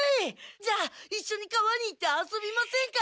じゃあいっしょに川に行って遊びませんか？